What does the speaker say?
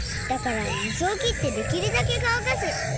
だから水をきってできるだけかわかす。